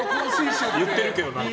言ってるけど。